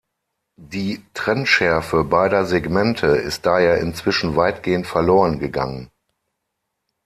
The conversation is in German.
Die Trennschärfe beider Segmente ist daher inzwischen weitgehend verloren gegangen.